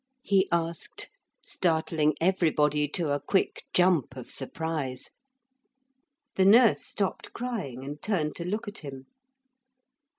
he asked, startling everybody to a quick jump of surprise. The nurse stopped crying and turned to look at him.